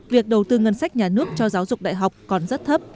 việc đầu tư ngân sách nhà nước cho giáo dục đại học còn rất thấp